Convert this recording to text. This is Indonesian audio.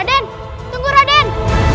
raden tunggu raden